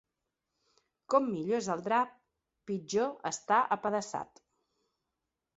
Com millor és el drap, pitjor està apedaçat.